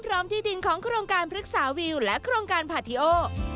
ที่ดินของโครงการพฤกษาวิวและโครงการพาทีโอ